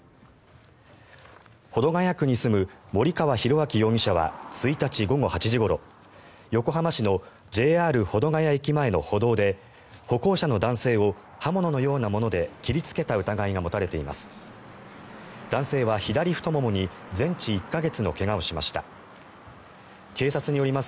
保土ケ谷区に住む森川浩昭容疑者は１日午後８時ごろ横浜市のＪＲ保土ケ谷駅前の歩道で歩行者の男性を刃物のようなもので切りつけた疑いが持たれています。